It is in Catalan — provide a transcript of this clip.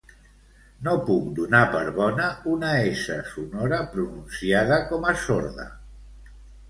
No puc donar per bona una essa sonora pronunciada com a sorda